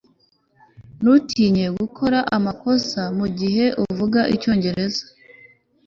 Ntutinye gukora amakosa mugihe uvuga icyongereza